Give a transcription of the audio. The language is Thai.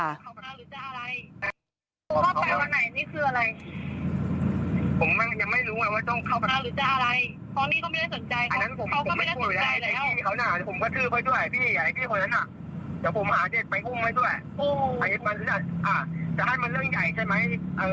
ไม่ค่ะถ้าผมไม่โอนเงินมันเรื่องหนึ่งแต่ผมโอนไปแล้วไง